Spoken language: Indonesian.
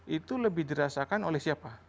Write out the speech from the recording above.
itu lebih dirasakan oleh siapa